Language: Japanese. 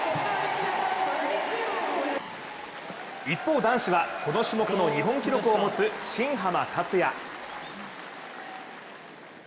一方、男子はこの種目の日本記録を持つ新濱立也。